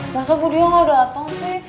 masa bu dia ga datang sih